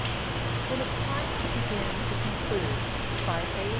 ] IT IS TIME TO BEGIN TO CONCLUDE BY A.